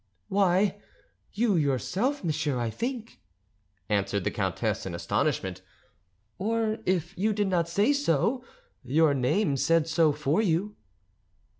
"Why, you yourself, monsieur, I think," answered the countess in astonishment; "or if you did not say so, your name said so for you."